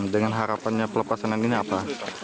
dengan harapannya pelepasan ini apa